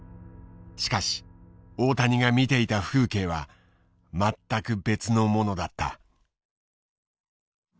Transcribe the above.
しかし大谷が見ていた風景は全く別のものだった。